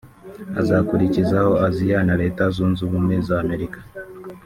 azakurikizaho Aziya na Leta Zunze Ubumwe za Amerika